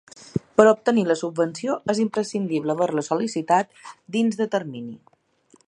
Per obtenir la subvenció és imprescindible haver-la sol·licitat dins de termini.